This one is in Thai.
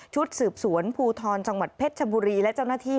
ชุดสืบสวนภูทรจังหวัดเพชรชบุรีและเจ้าหน้าที่